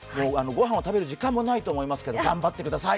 御飯を食べる時間もないと思いますけど頑張ってください。